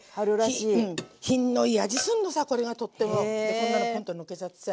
こんなのポンとのっけちゃってさ。